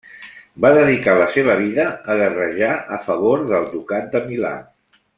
Va dedicar la seva vida a guerrejar a favor del Ducat de Milà.